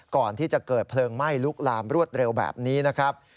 ก่อนที่จะเกิดเพลิงไหม้ลุกลามรวดเร็วแบบนี้นะครับ